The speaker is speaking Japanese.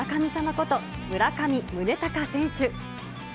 こと村上宗隆選手。